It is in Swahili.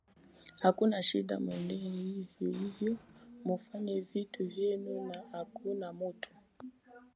hakuna shinda mwendelee hivyo hivyo mfanye vitu vyenu na hakuna mtu